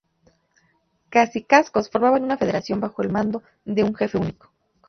Sus cacicazgos formaban una federación bajo el mando de un jefe único.